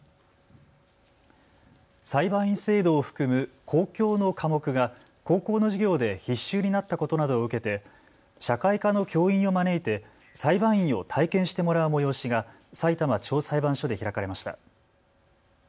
裁判員制度を含む公共の科目が高校の授業で必修になったことなどを受けて社会科の教員を招いて裁判員を体験してもらう催しがさいたま地方裁判所で開かれました。